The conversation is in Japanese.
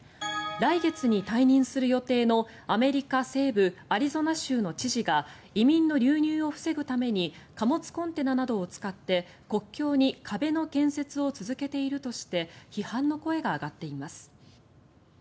来月に退任する予定のアメリカ西部アリゾナ州の知事が移民の流入を防ぐために貨物コンテナなどを使って国境に壁の建設を続けているとして批判の声が上がっています。